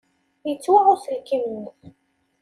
Yettwaɣ uselkim-nni.